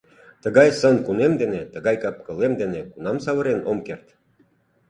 Тыгай сын-кунем дене, тыгай кап-кылем дене кунам савырен ом керт?..